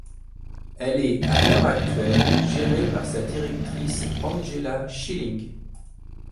Elle est, à l'heure actuelle, gérée par sa directrice Angela Schilling.